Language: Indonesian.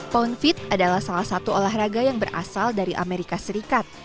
pound feet adalah salah satu olahraga yang berasal dari amerika serikat